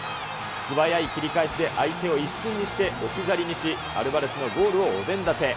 素早い切り返しで、相手を一瞬にして置き去りにし、アルバレスのゴールをお膳立て。